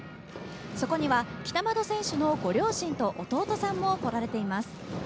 そこには北窓選手のご両親と弟さんも来られています。